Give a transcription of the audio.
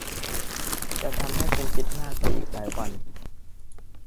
จะทำให้คุณคิดมากไปอีกหลายวัน